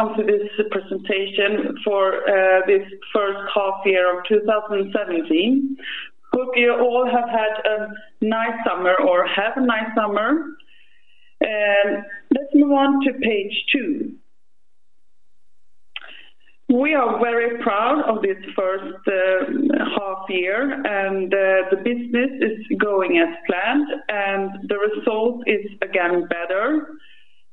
Welcome to this presentation for this first half year of 2017. Hope you all have had a nice summer or have a nice summer. Let's move on to page two. We are very proud of this first half year, the business is going as planned, and the result is again better.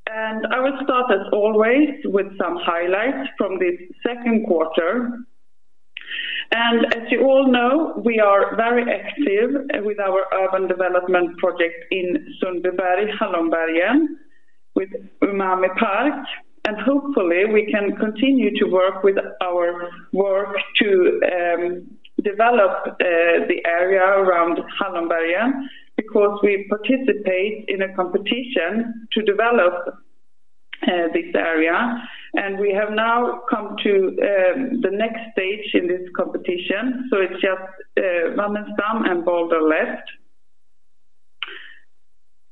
I will start as always with some highlights from this second quarter. As you all know, we are very active with our urban development project in Sundbyberg, Hallonbergen, with Umami Park. Hopefully, we can continue to work with our work to develop the area around Hallonbergen because we participate in a competition to develop this area. We have now come to the next stage in this competition, so it's just Wallenstam and Balder left.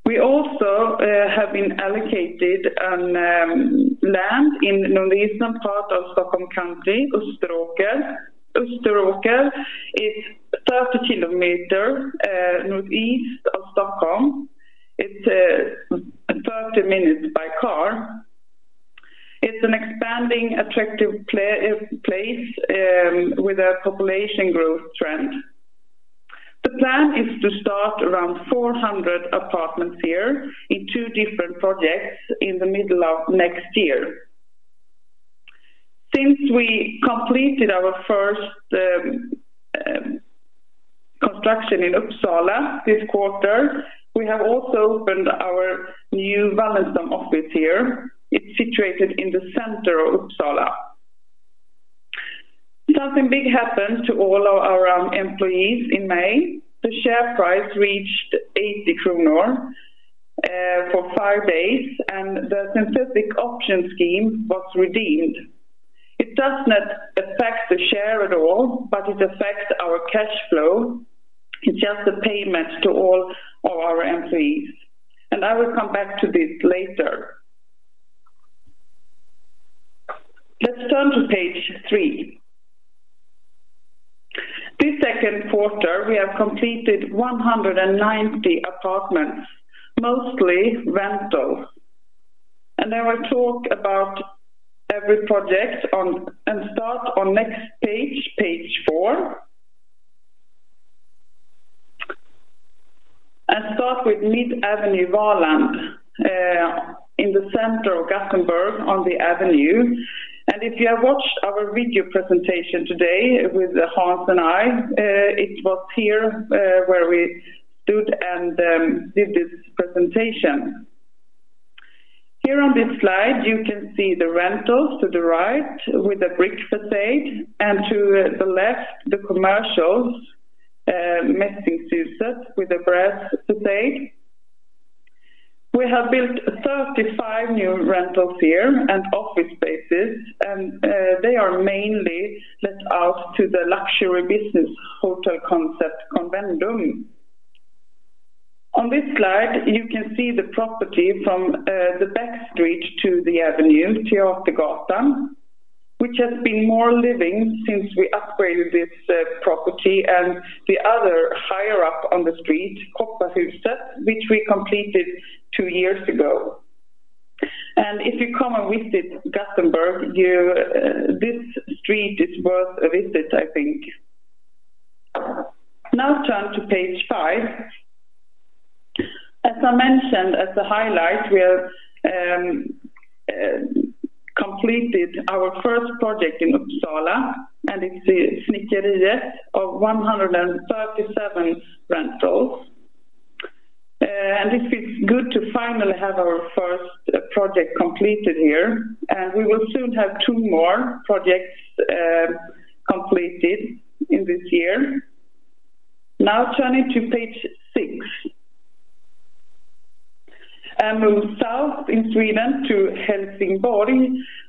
We also have been allocated land in northeastern part of Stockholm County, Österåker. Österåker is 30 km Northeast of Stockholm. It's 30 minutes by car. It's an expanding attractive place with a population growth trend. The plan is to start around 400 apartments here in two different projects in the middle of next year. Since we completed our first construction in Uppsala this quarter, we have also opened our new Wallenstam office here. It's situated in the center of Uppsala. Something big happened to all of our employees in May. The share price reached 80 kronor for five days, and the synthetic option scheme was redeemed. It does not affect the share at all, but it affects our cash flow. It's just a payment to all of our employees, and I will come back to this later. Let's turn to page three. This second quarter, we have completed 190 apartments, mostly rental. I will talk about every project and start on next page four. Start with Mid Avenue Valand in the center of Gothenburg on the Avenyn. If you have watched our video presentation today with Hans and I, it was here where we stood and did this presentation. Here on this slide, you can see the rentals to the right with the brick facade, and to the left, the commercials, Mässingshuset with a brass facade. We have built 35 new rentals here and office spaces, and they are mainly let out to the luxury business hotel concept Convendum. On this slide, you can see the property from the back street to the avenue, Teatergatan, which has been more living since we upgraded this property and the other higher up on the street, Kopparhuset, which we completed two years ago. If you come and visit Gothenburg, this street is worth a visit, I think. Now turn to page five. As I mentioned as a highlight, we have completed our first project in Uppsala, it's the Snickeriet of 137 rentals. It feels good to finally have our first project completed here, we will soon have two more projects completed in this year. Now turning to page six. Move south in Sweden to Helsingborg,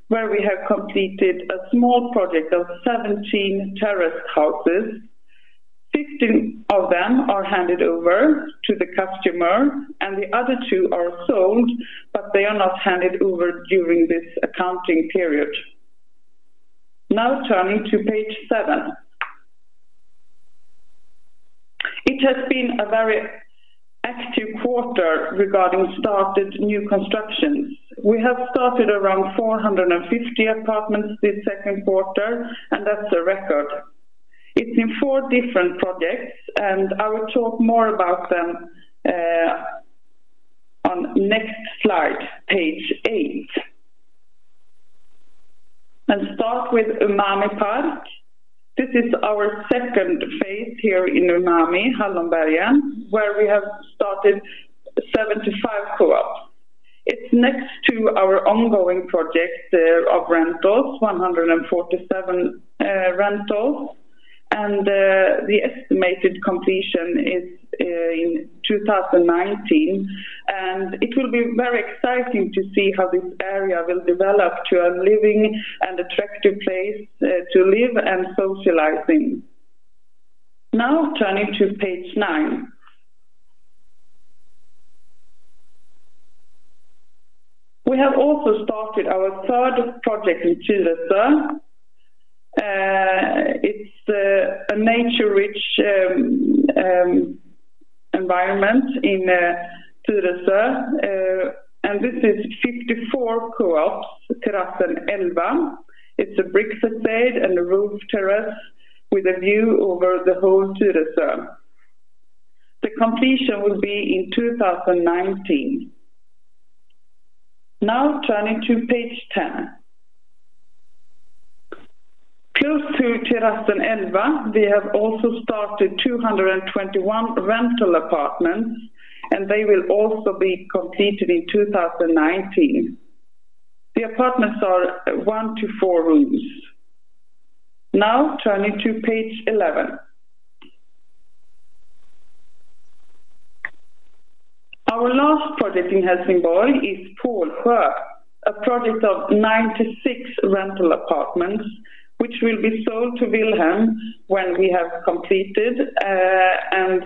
where we have completed a small project of 17 terraced houses. 15 of them are handed over to the customer, and the other two are sold, but they are not handed over during this accounting period. Now turning to page seven. It has been a very active quarter regarding started new constructions. We have started around 450 apartments this second quarter, and that's a record. It's in four different projects, and I will talk more about them on next slide, page eight. Start with Umami Park. This is our second phase here in Umami, Hallonbergen, where we have started 75 Co-ops. It's next to our ongoing project of rentals, 147 rentals. The estimated completion is in 2019. It will be very exciting to see how this area will develop to a living and attractive place to live and socializing. Now turning to page nine. We have also started our third project in Tyresö. It's a nature-rich environment in Tyresö. This is 54 Co-ops, Terrassen Elva. It's a brick facade and a roof terrace with a view over the whole Tyresö. The completion will be in 2019. Now turning to page 10. Close to Terrassen Elva, we have also started 221 rental apartments. They will also be completed in 2019. The apartments are 1 room-4 rooms. Now turning to page 11. Our last project in Helsingborg is Pålsjö, a project of 96 rental apartments, which will be sold to Willhem when we have completed and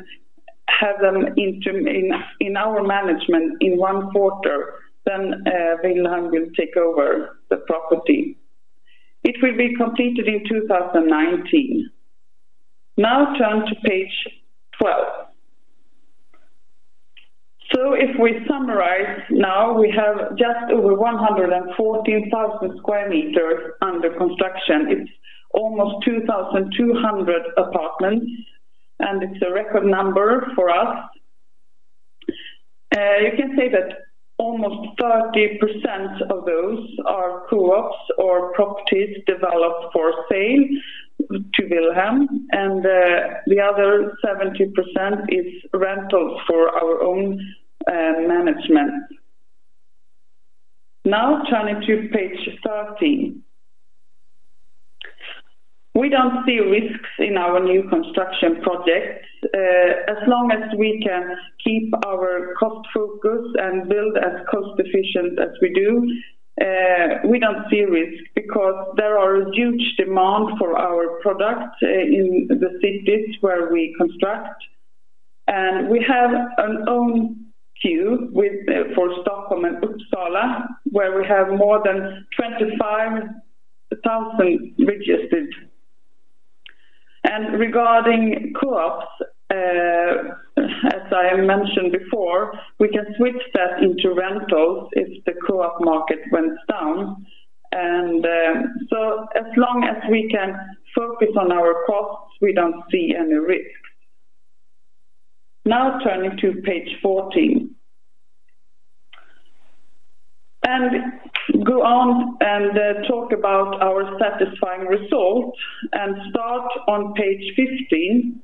have them in our management in one quarter. Willhem will take over the property. It will be completed in 2019. Turn to page 12. If we summarize now, we have just over 114,000 sq m under construction. It's almost 2,200 apartments. It's a record number for us. You can say that almost 30% of those are Co-ops or properties developed for sale to Willhem. The other 70% is rentals for our own management. Turning to page 13. We don't see risks in our new construction projects. As long as we can keep our cost focus and build as cost-efficient as we do, we don't see risk because there are huge demand for our products in the cities where we construct. We have an own queue with for Stockholm and Uppsala, where we have more than 25,000 registered. Regarding Co-ops, as I mentioned before, we can switch that into rentals if the Co-op market went down. As long as we can focus on our costs, we don't see any risks. Now turning to page 14. Go on and talk about our satisfying results, and start on page 15.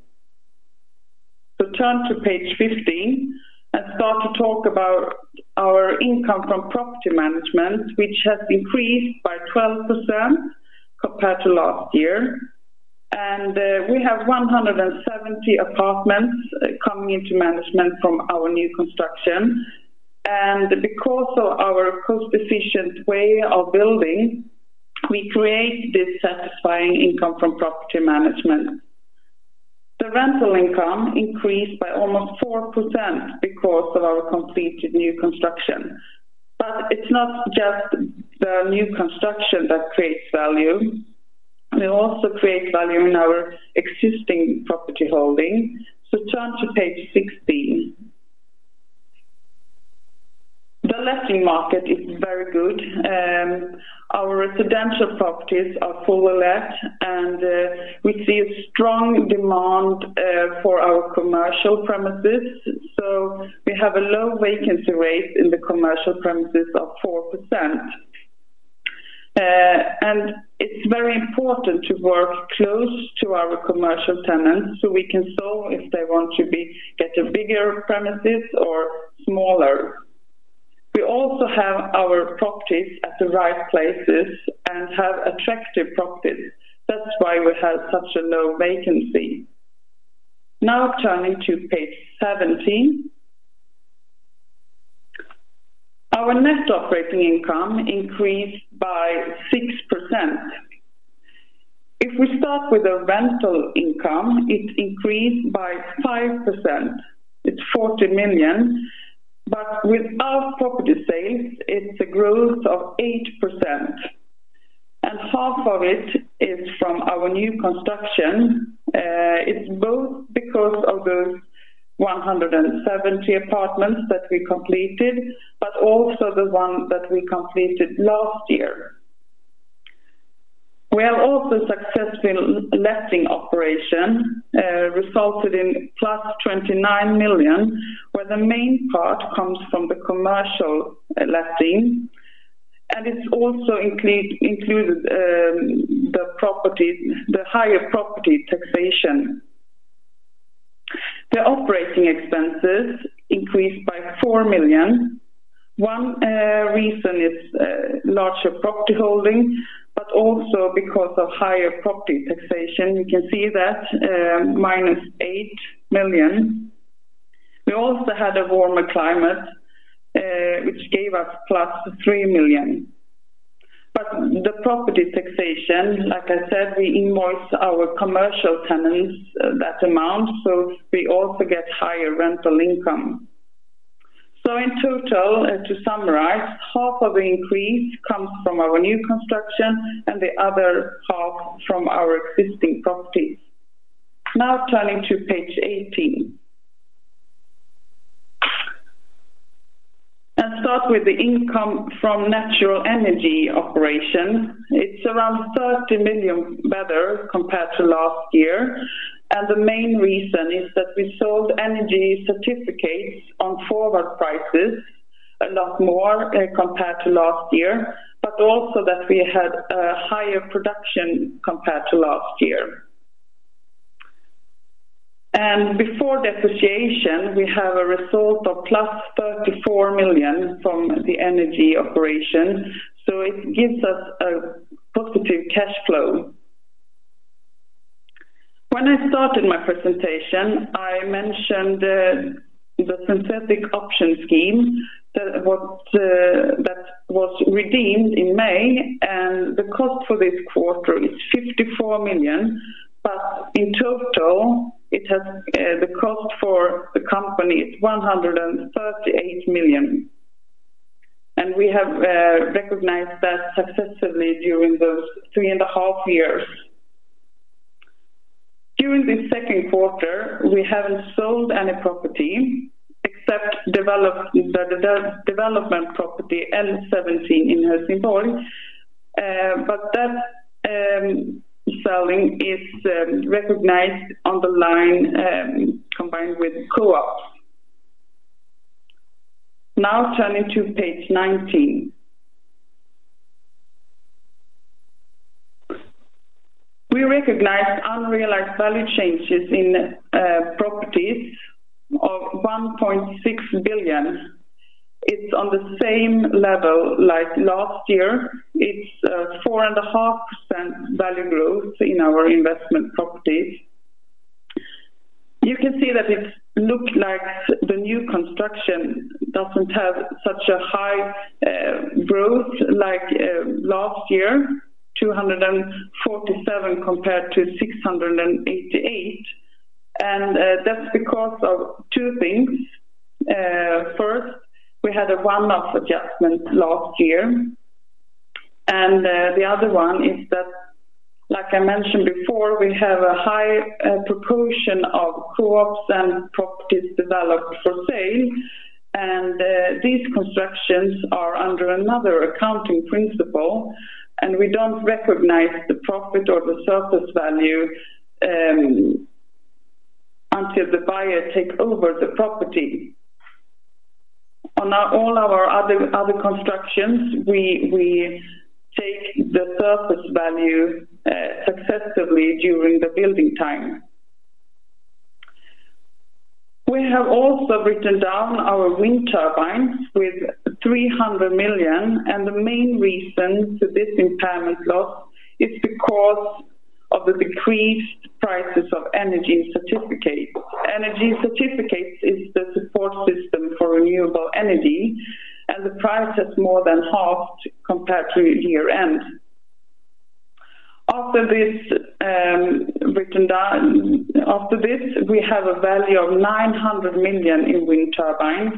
Turn to page 15 and start to talk about our income from property management, which has increased by 12% compared to last year. We have 170 apartments coming into management from our new construction. Because of our cost-efficient way of building, we create this satisfying income from property management. The rental income increased by almost 4% because of our completed new construction. It's not just the new construction that creates value. We also create value in our existing property holding. Turn to page 16. The letting market is very good. Our residential properties are fully let, we see a strong demand for our commercial premises. We have a low vacancy rate in the commercial premises of 4%. It's very important to work close to our commercial tenants, so we can sell if they want to get a bigger premises or smaller. We also have our properties at the right places and have attractive properties. That's why we have such a low vacancy. Turning to page 17, our Net Operating Income increased by 6%. If we start with the rental income, it increased by 5%. It's 40 million. With our property sales, it's a growth of 8%. Half of it is from our new construction. It's both because of the 170 apartments that we completed, but also the one that we completed last year. We have also successful letting operation, resulted in +29 million, where the main part comes from the commercial letting, and it's also included the property, the higher property taxation. The operating expenses increased by 4 million. One reason is larger property holding, but also because of higher property taxation. You can see that -8 million. We also had a warmer climate, which gave us +3 million. The property taxation, like I said, we invoice our commercial tenants that amount, so we also get higher rental income. In total, and to summarize, half of the increase comes from our new construction, and the other half from our existing properties. Now turning to page 18. Start with the income from natural energy operation. It's around 30 million better compared to last year. The main reason is that we sold Energy Certificates on forward prices a lot more compared to last year, but also that we had a higher production compared to last year. Before depreciation, we have a result of +34 million from the energy operation, so it gives us a positive cash flow. When I started my presentation, I mentioned the synthetic option scheme that was redeemed in May. The cost for this quarter is 54 million, but in total, it has the cost for the company is 138 million. We have recognized that successively during those 3.5 years. During this second quarter, we haven't sold any property except. The development property L17 in Helsingborg, but that selling is recognized on the line combined with Co-ops. Turning to page 19. We recognized unrealized value changes in properties of 1.6 billion. It's on the same level like last year. It's 4.5% value growth in our investment properties. You can see that it's looked like the new construction doesn't have such a high growth like last year, 247 million compared to 688 million. That's because of two things. First, we had a one-off adjustment last year. The other one is that, like I mentioned before, we have a high proportion of Co-ops and properties developed for sale, and these constructions are under another accounting principle, and we don't recognize the profit or the surface value until the buyer take over the property. On all our other constructions, we take the surface value successively during the building time. We have also written down our wind turbines with 300 million. The main reason for this impairment loss is because of the decreased prices of Energy Certificates. Energy Certificates is the support system for renewable energy. The price has more than halved compared to year-end. After this, we have a value of 900 million in wind turbines,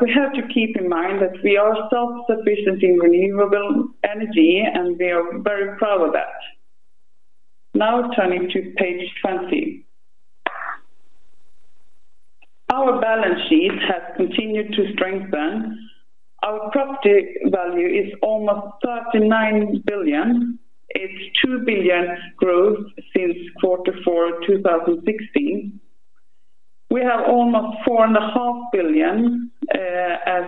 we have to keep in mind that we are self-sufficient in renewable energy, and we are very proud of that. Now turning to page 20. Our balance sheet has continued to strengthen. Our property value is almost 39 billion. It's 2 billion growth since quarter four of 2016. We have almost 4.5 billion as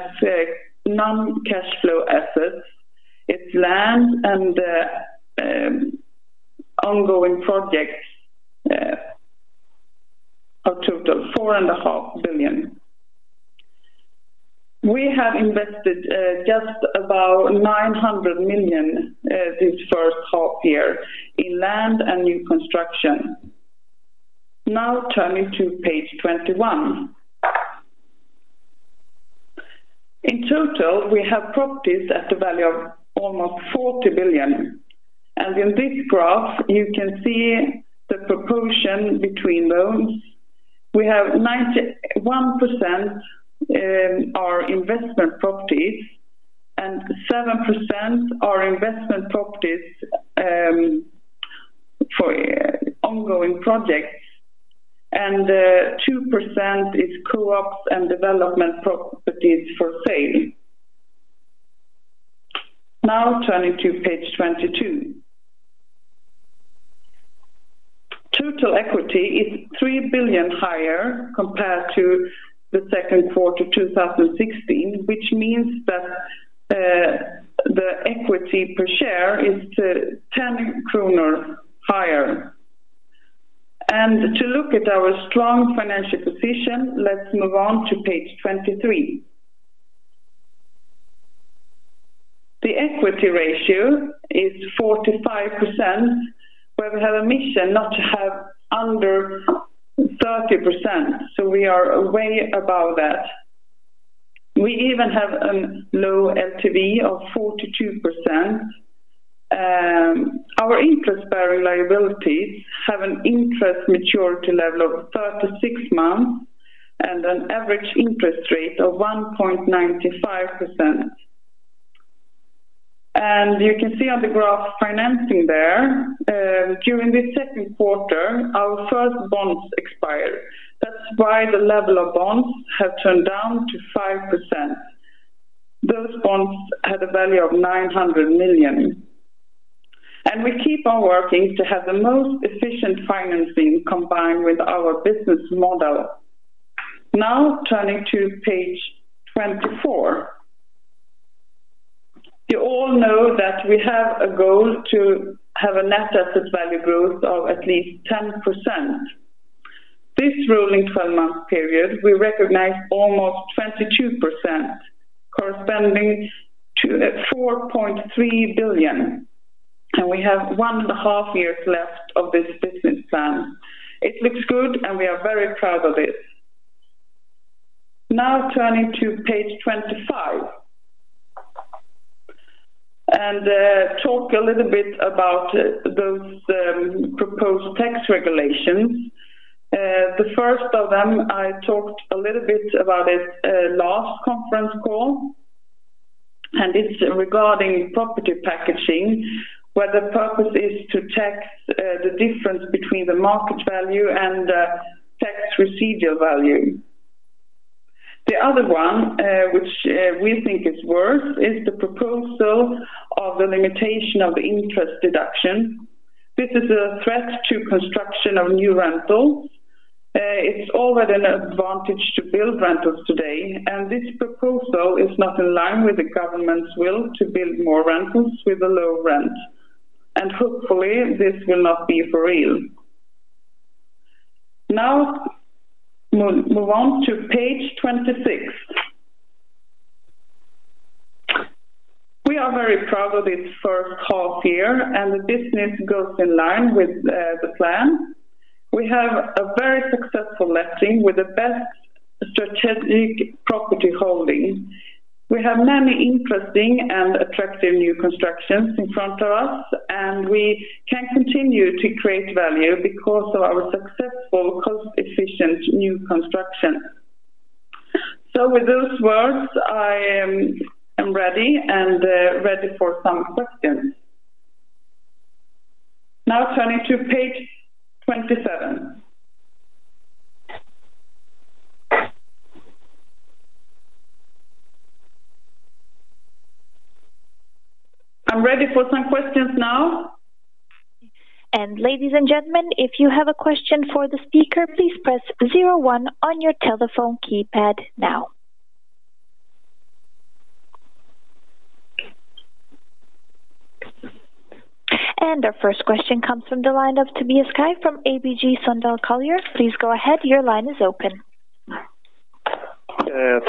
non-cash flow assets. It's land and ongoing projects, a total 4.5 billion. We have invested just about 900 million this first half year in land and new construction. Now turning to page 21. In total, we have properties at the value of almost 40 billion. In this graph, you can see the proportion between those. We have 91% are investment properties, 7% are investment properties for ongoing projects, and 2% is Co-ops and development properties for sale. Now turning to page 22. Total equity is 3 billion higher compared to the second quarter 2016, which means that the equity per share is 10 kronor higher. To look at our strong financial position, let's move on to page 23. The equity ratio is 45%, where we have a mission not to have under 30%, so we are way above that. We even have a low LTV of 42%. Our interest bearing liabilities have an interest maturity level of 36 months and an average interest rate of 1.95%. You can see on the graph financing there, during the second quarter, our first bonds expired. That's why the level of bonds have turned down to 5%. Those bonds had a value of 900 million. We keep on working to have the most efficient financing combined with our business model. Turning to page 24. You all know that we have a goal to have a Net Asset Value growth of at least 10%. This rolling 12-month period, we recognize almost 22% corresponding to 4.3 billion. We have 1.5 years left of this business plan. It looks good, and we are very proud of it. Turning to page 25. Talk a little bit about those proposed tax regulations. The first of them, I talked a little bit about it, last conference call, and it's regarding property packaging, where the purpose is to tax, the difference between the market value and the tax residual value. The other one, which, we think is worse, is the proposal of the limitation of interest deduction. This is a threat to construction of new rentals. It's already an advantage to build rentals today, and this proposal is not in line with the government's will to build more rentals with a low rent. Hopefully this will not be for real. Now move on to page 26. We are very proud of this first half year, and the business goes in line with, the plan. We have a very successful letting with the best strategic property holding. We have many interesting and attractive new constructions in front of us. We can continue to create value because of our successful cost-efficient new construction. With those words, I'm ready and ready for some questions. Turning to page 27. I'm ready for some questions now. Ladies and gentlemen, if you have a question for the speaker, please press zero one on your telephone keypad now. Our first question comes from the line of Tobias Kaj from ABG Sundal Collier. Please go ahead. Your line is open.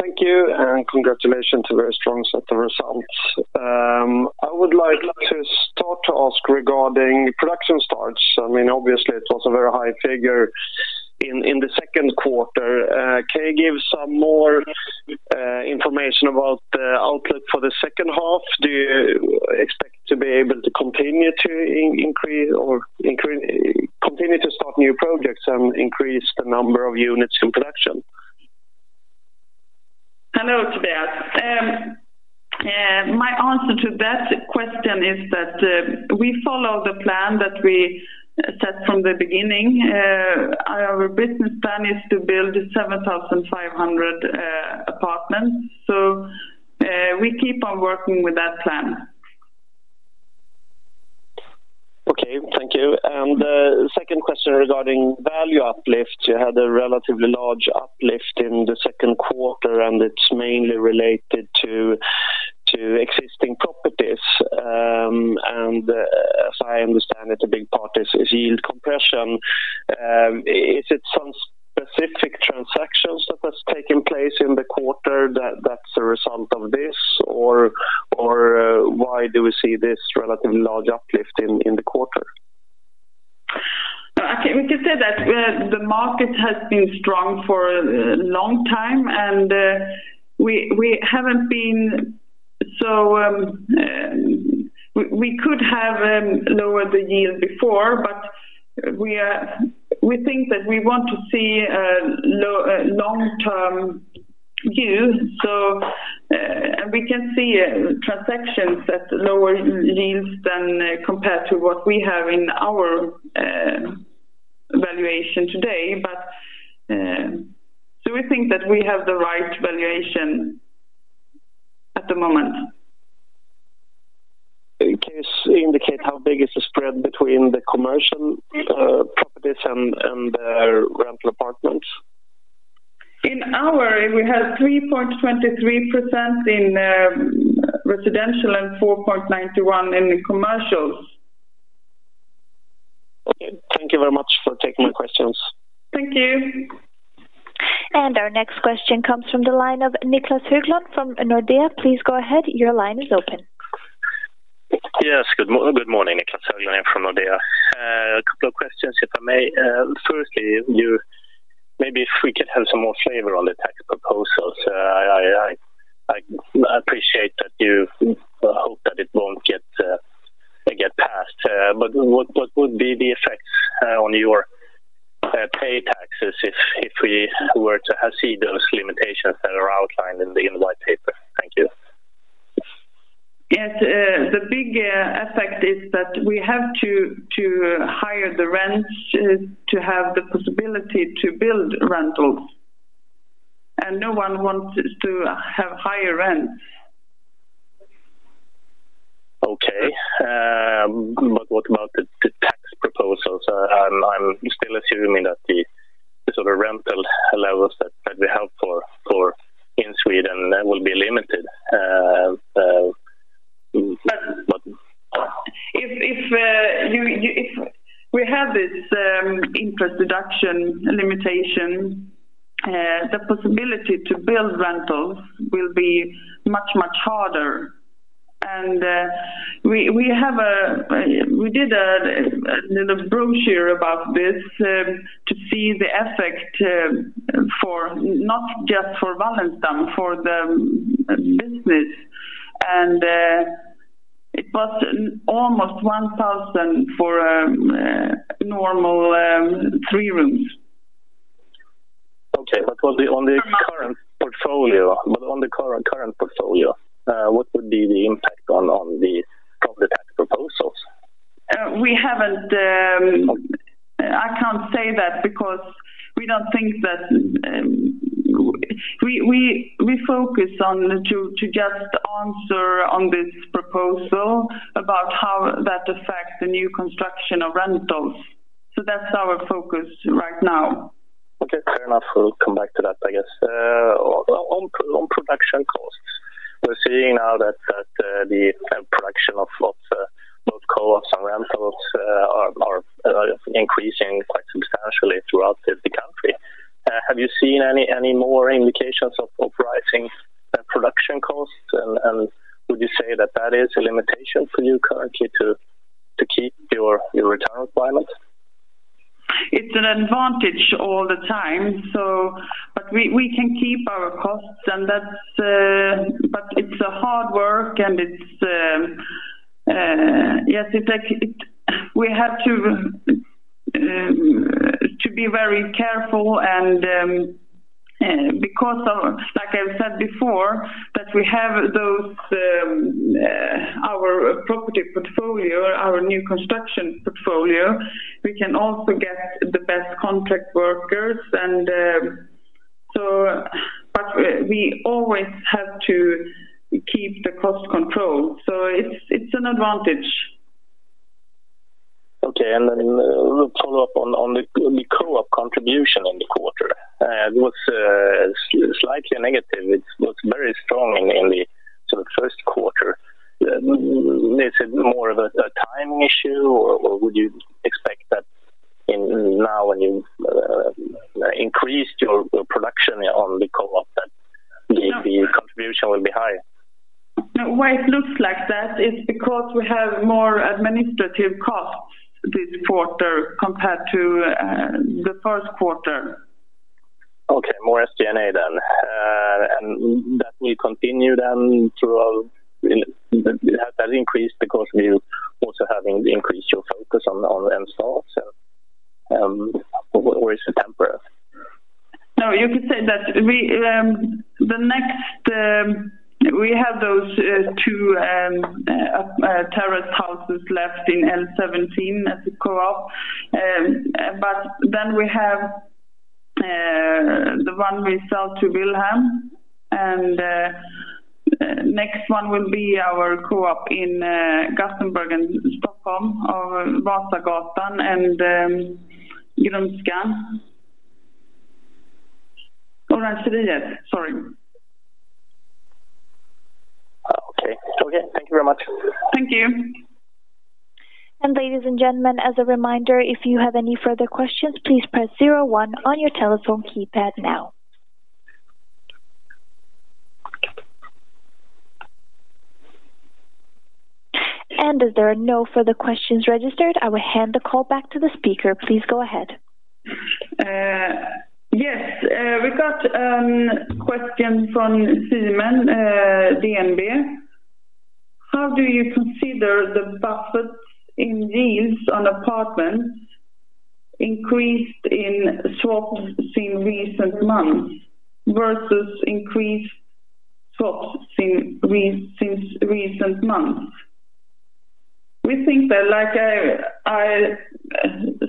Thank you. Congratulations, a very strong set of results. I would like to start to ask regarding production starts. Obviously, it was a very high figure in the second quarter. Can you give some more information about the output for the second half? Do you expect to be able to continue to increase or continue to start new projects and increase the number of units in production? Hello, Tobias. My answer to that question is that we follow the plan that we set from the beginning. Our business plan is to build 7,500 apartments. We keep on working with that plan. Okay. Thank you. Second question regarding value uplift. You had a relatively large uplift in the second quarter, and it's mainly related to existing properties. As I understand it, a big part is yield compression. Is it some specific transactions that's a result of this? Or why do we see this relatively large uplift in the quarter? No, we can say that the market has been strong for a long time, we haven't been so. We could have lowered the yield before, but we think that we want to see a long-term yield. We can see transactions at lower yields than compared to what we have in our valuation today. We think that we have the right valuation at the moment. Can you indicate how big is the spread between the commercial properties and the rental apartments? We have 3.23% in residential and 4.91% in the commercials. Okay. Thank you very much for taking my questions. Thank you. Our next question comes from the line of Niclas Höglund from Nordea. Please go ahead. Your line is open. Yes. Good morning, Niclas Höglund from Nordea. A couple of questions, if I may. Firstly, maybe if we could have some more flavor on the tax proposals. I appreciate that you hope that it won't get passed. What would be the effects on your pay taxes if we were to see those limitations that are outlined in the white paper? Thank you. Yes. The big effect is that we have to higher the rents to have the possibility to build rentals. No one wants to have higher rents. Okay. What about the tax proposals? I'm still assuming that the sort of rental levels that we have for in Sweden will be limited. But- What? If we have this interest deduction limitation, the possibility to build rentals will be much, much harder. We did a brochure about this to see the effect for not just for Wallenstam, for the business. It was almost 1,000 for normal three rooms. Okay. what on the current portfolio, but on the current portfolio, what would be the impact on the property tax proposals? I can't say that because we don't think that. We focus on to just answer on this proposal about how that affects the new construction of rentals. That's our focus right now. Okay. Fair enough. We'll come back to that, I guess. On production costs. We're seeing now that the production of both Co-ops and rentals are increasing quite substantially throughout the country. Have you seen any more indications of rising production costs? Would you say that that is a limitation for you currently to keep your return requirements? It's an advantage all the time. We can keep our costs and that's. It's a hard work and it's. Yes, it like. We have to be very careful and because of, like I said before, that we have those, our property portfolio, our new construction portfolio, we can also get the best contract workers and. We always have to keep the cost control. It's an advantage. Okay. Then a little follow-up on the Co-op contribution in the quarter. It was slightly negative. It was very strong in the sort of first quarter. Is it more of a timing issue, or would you expect that in now when you've increased your production on the Co-op, that the contribution will be higher? Why it looks like that is because we have more administrative costs this quarter compared to, the first quarter. Okay, more SG&A then. That will continue then throughout in, has that increased because of you also having increased your focus on installs or is it temporary? You could say that. We, the next, we have those two terrace houses left in L17 as a Co-op. We have the one we sell to Willhem, and next one will be our Co-op in Gothenburg and Stockholm, Vasagatan and Grönskan. Randstad, sorry. Oh, okay. Okay. Thank you very much. Thank you. Ladies and gentlemen, as a reminder, if you have any further questions, please press zero one on your telephone keypad now. As there are no further questions registered, I will hand the call back to the speaker. Please go ahead. Yes. We got a question from Simen Mortensen, DNB. How do you consider the buffers in yields on apartments increased in swaps in recent months versus increased swaps since recent months? We think that, like I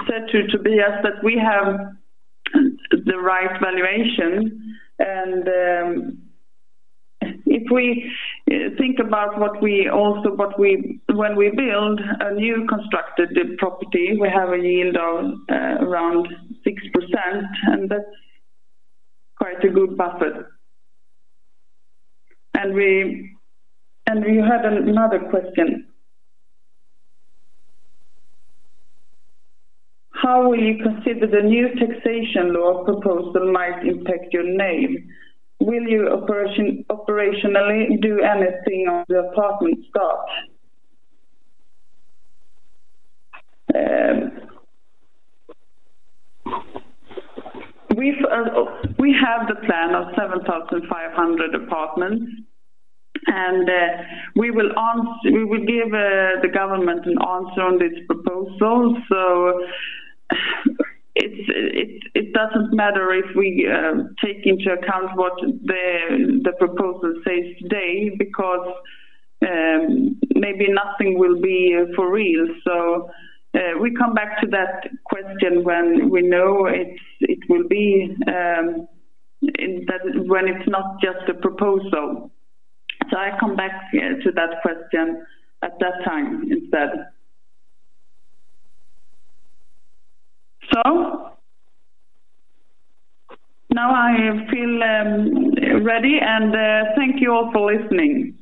said to Tobias, that we have the right valuation. If we think about what we also when we build a new constructed property, we have a yield of around 6%, and that's quite a good buffer. You had another question. How will you consider the new taxation law proposal might impact your NAV? Will you operationally do anything on the apartment stock? We have the plan of 7,500 apartments, we will give the government an answer on this proposal. It doesn't matter if we take into account what the proposal says today because maybe nothing will be for real. We come back to that question when we know it will be when it's not just a proposal. I come back here to that question at that time instead. Now I feel ready, and thank you all for listening. Thank you.